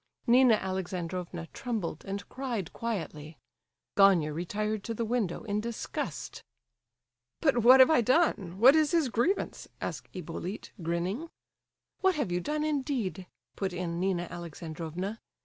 Nina Alexandrovna trembled, and cried quietly. Gania retired to the window in disgust. "But what have I done? What is his grievance?" asked Hippolyte, grinning. "What have you done, indeed?" put in Nina Alexandrovna.